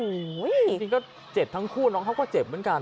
จริงก็เจ็บทั้งคู่น้องเขาก็เจ็บเหมือนกัน